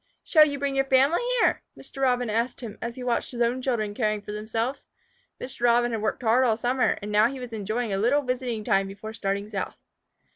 "Shall you bring your family here?" Mr. Robin asked him, as he watched his own children caring for themselves. Mr. Robin had worked hard all summer, and now he was enjoying a little visiting time before starting south.